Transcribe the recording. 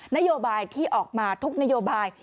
นโยบายที่ออกมาทุกนโยบาย